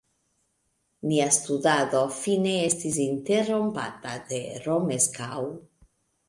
Nia studado fine estis interrompata de Romeskaŭ.